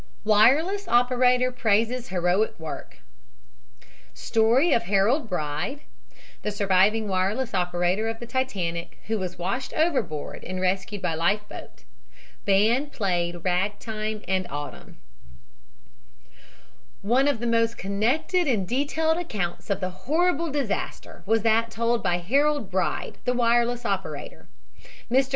WIRELESS OPERATOR PRAISES HEROIC WORK STORY OF HAROLD BRIDE, THE SURVIVING WIRELESS OPERATOR OF THE TITANIC, WHO WAS WASHED OVERBOARD AND RESCUED BY LIFE BOAT BAND PLAYED RAG TIME AND "AUTUMN" ONE of the most connected and detailed accounts of the horrible disaster was that told by Harold Bride, the wireless operator. Mr.